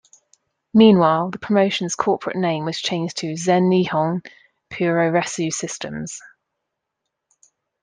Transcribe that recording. Meanwhile, the promotion's corporate name was changed to "Zen Nihon Puroresu Systems".